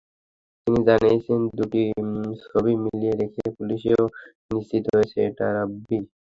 তিনি জানিয়েছেন, দুটি ছবি মিলিয়ে দেখে পুলিশও নিশ্চিত হয়েছে এটা রাব্বিই।